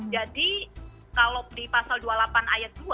jadi kalau di pasal dua puluh delapan ayat dua